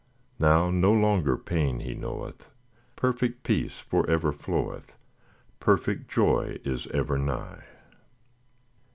Now no longer pain He knoweth: Perfect peace for ever floweth, Perfect joy is ever nigh.